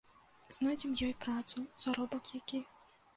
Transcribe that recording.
Знойдзем ёй працу, заробак які.